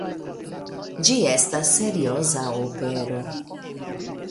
Ĝi estas serioza opero.